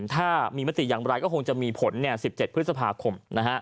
ถ้ามีมติอย่างไรก็คงจะมีผล๑๗พฤษภาคม